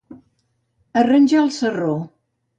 Arranjar el sarró.